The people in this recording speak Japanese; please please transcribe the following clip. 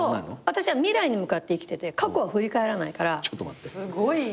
私は未来に向かって生きてて過去は振り返らないから。